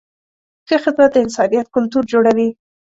ښه خدمت د انسانیت کلتور جوړوي.